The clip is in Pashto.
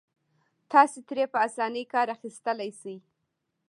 تاسې ترې په اسانۍ کار اخيستلای شئ.